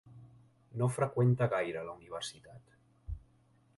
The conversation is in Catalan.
No freqüenta gaire la universitat.